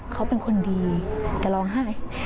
เขาเป็นคนดีแต่ร้องไห้